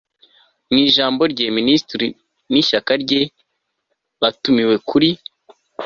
mu ijambo rye, minisitiri n'ishyaka rye batumiwe kuri